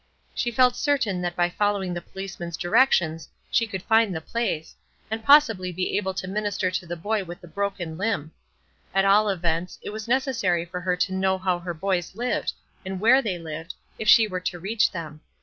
She felt certain that by following the policeman's directions she could find the place, and possibly be able to minister to the boy with a broken limb. At all events, it was necessary for her to know how her boys lived, and where they lived, if she were to reach them.